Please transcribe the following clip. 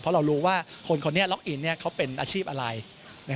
เพราะเรารู้ว่าคนคนนี้ล็อกอินเขาเป็นอาชีพอะไร